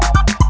kau mau kemana